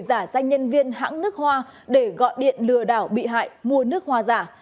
giả danh nhân viên hãng nước hoa để gọi điện lừa đảo bị hại mua nước hoa giả